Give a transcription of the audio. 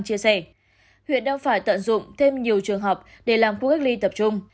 chia sẻ huyện đang phải tận dụng thêm nhiều trường hợp để làm khu gác ly tập trung